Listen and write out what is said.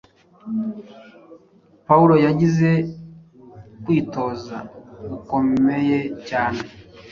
pawulo yagize kwitoza gukomeye cyane.